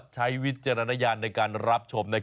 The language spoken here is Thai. ใช้วิจารณญาณอะไรเวลาได้การจะรับชม